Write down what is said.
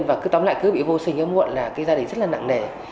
và tóm lại cứ bị vô sinh ấm muộn là gia đình rất là nặng nề